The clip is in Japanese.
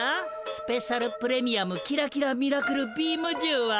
スペシャル・プレミアムキラキラ・ミラクル・ビームじゅうは。